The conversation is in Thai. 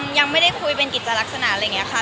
ยังไม่ได้คุยเป็นกิจลักษณะอะไรอย่างนี้ค่ะ